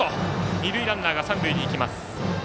二塁ランナーが三塁へいきます。